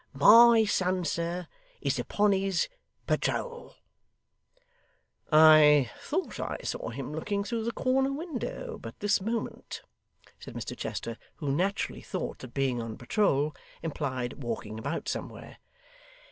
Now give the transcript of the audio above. My son, sir, is upon his patrole.' 'I thought I saw him looking through the corner window but this moment,' said Mr Chester, who naturally thought that being on patrole, implied walking about somewhere.